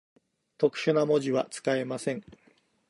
特殊な文字は、使えません。